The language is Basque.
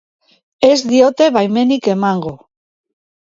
Ez diote baimenik emango.